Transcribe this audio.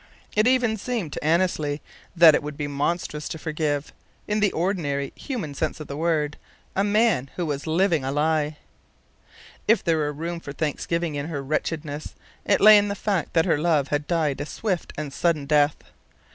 It even seemed to Annesley that it would be monstrous to forgive, in the ordinary, human sense of the word, a man who was a living lie. If there were room for thanksgiving in her wretchedness, it lay in the fact that her love had died a swift and sudden death.